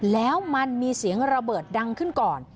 แล้วมันมีเสียงระเบิดดังขึ้นก่อน